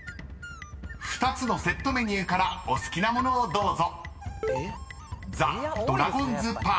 ［２つのセットメニューからお好きな物をどうぞ］